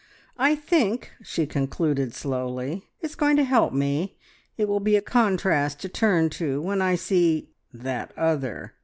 I think," she concluded slowly, "it's going to help me. It will be a contrast to turn, to, when I see that other!"